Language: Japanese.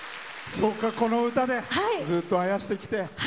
この歌で、ずっとあやしてきて。